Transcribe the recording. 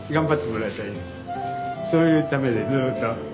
そういうためにずっと。